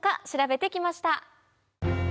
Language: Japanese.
調べて来ました。